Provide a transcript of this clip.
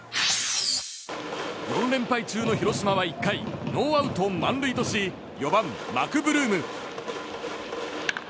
４連敗中の広島は１回ノーアウト満塁とし４番、マクブルーム。